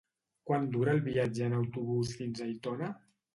Quant dura el viatge en autobús fins a Aitona?